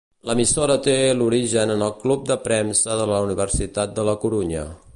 L'emissora té l'origen en el Club de Premsa de la Universitat de la Corunya.